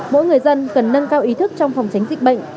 mỗi người dân cần nâng cao ý thức trong phòng tránh dịch bệnh